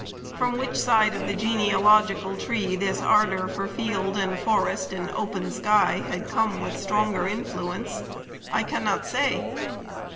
From which side of the genealogical tree this ardor for field and forest and open sky had come with stronger influence I cannot say.